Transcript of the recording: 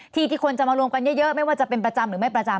ที่ที่คนจะมารวมกันเยอะไม่ว่าจะเป็นประจำหรือไม่ประจำ